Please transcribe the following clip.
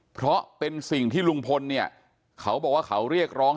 เพราะเป็นสิ่งที่ลุงพลเนี่ยเขาบอกว่าเขาเรียกร้อง